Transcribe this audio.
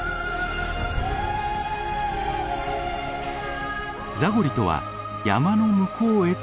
ザゴリとは山の向こうへという意味。